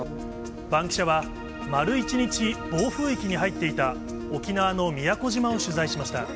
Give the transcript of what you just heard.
バンキシャは、丸１日、暴風域に入っていた沖縄の宮古島を取材しました。